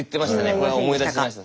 これは思い出しました